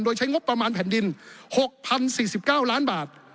โดยใช้งบประมาณแผ่นดิน๖๐๔๙ล้านบาท